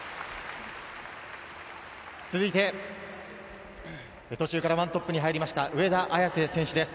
続いて、途中から１トップに入りました、上田綺世選手です。